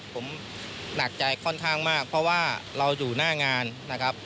ผมหนักใจค่อนข้างมากเพราะว่าเราอยู่หน้างานนะครับ